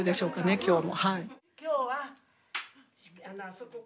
今日も。